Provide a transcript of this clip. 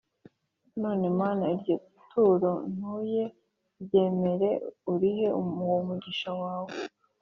None Mana iryo turo ntuyeryemere urihe uwo mugisha wawe